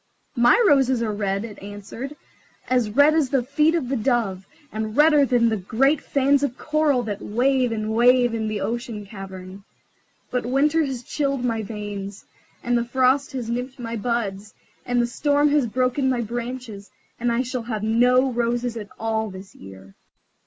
"My roses are red," it answered, "as red as the feet of the dove, and redder than the great fans of coral that wave and wave in the ocean cavern. But the winter has chilled my veins, and the frost has nipped my buds, and the storm has broken my branches, and I shall have no roses at all this year."